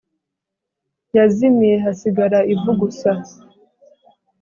yazimiye, hasigara ivu gusa